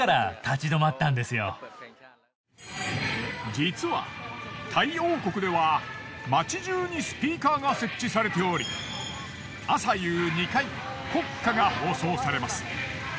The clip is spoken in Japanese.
実はタイ王国では街中にスピーカーが設置されており朝夕２回国歌が放送されます。